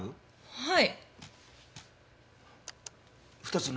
はい。